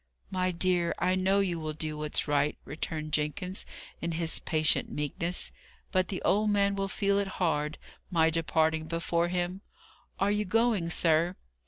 "My dear, I know you will do what's right," returned Jenkins, in his patient meekness: "but the old man will feel it hard, my departing before him. Are you going, sir?"